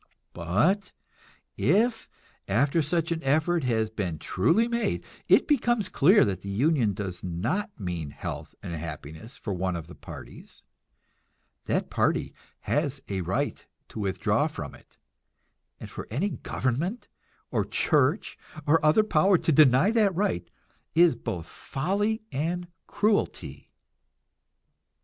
But if, after such an effort has been truly made, it becomes clear that the union does not mean health and happiness for one of the parties, that party has a right to withdraw from it, and for any government or church or other power to deny that right is both folly and cruelty.